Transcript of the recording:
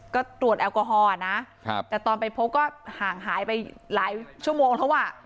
ก็ตรวจแอลกอฮอล์นะแต่ตอนไปพบก็ห่างหายไปหลายชั่วโมงแล้วอ่ะ